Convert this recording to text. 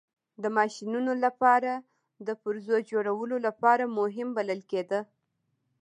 د ماشینونو لپاره د پرزو جوړولو لپاره مهم بلل کېده.